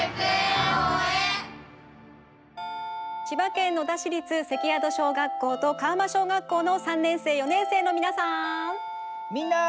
千葉県野田市立関宿小学校と川間小学校の３年生４年生のみなさん！